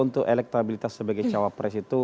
untuk elektabilitas sebagai calon presiden itu